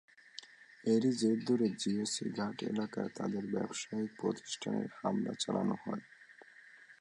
এরই জের ধরে জিওসি ঘাট এলাকার তাঁদের ব্যবসায়িক প্রতিষ্ঠানে হামলা চালানো হয়।